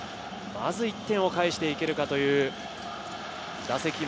まず１点を返していけるかという打席、丸。